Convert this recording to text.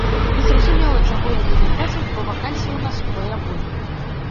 Незразумела, чаго яны не хочуць, бо вакансій у нас удвая болей.